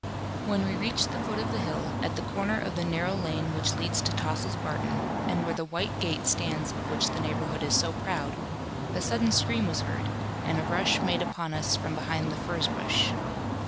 When we reached the foot of the hill, at the corner of the narrow lane which leads to Tossil's Barton, and where the white gate stands of which the neighbourhood is so proud, a sudden scream was heard, and a rush made upon us from behind the furze bush.